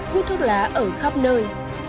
hút thuốc lá ở khắp nơi